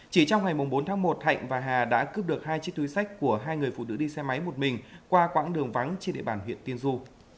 chỉ trong ngày bốn tháng một hạnh và hà đã cướp được hai chiếc túi sách của hai người phụ nữ đi xe máy một mình qua quãng đường vắng trên địa bàn huyện tiên du